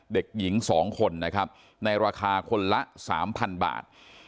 เด็กหญิงสองคนนะครับในราคาคนละสามพันบาท